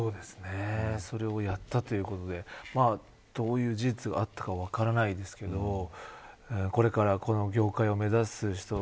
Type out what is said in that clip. それをやったということでどういう事実があったか分からないですけどこれからこの業界を目指す人